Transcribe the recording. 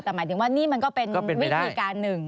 แต่หมายถึงว่านี่มันก็เป็นวิธีการหนึ่ง